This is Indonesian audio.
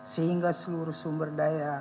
sehingga seluruh sumber daya